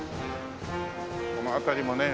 この辺りもね。